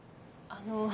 あの。